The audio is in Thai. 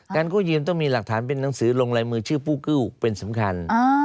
กู้ยืมต้องมีหลักฐานเป็นหนังสือลงลายมือชื่อผู้กู้เป็นสำคัญ